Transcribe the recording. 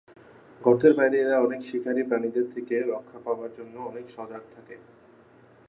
গর্তের বাইরে এরা অনেক শিকারী প্রাণীদের থেকে রক্ষা পাবার জন্য অনেক সজাগ থাকে।